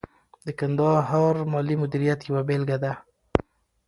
د کندهار مالي مدیریت یوه بیلګه ده.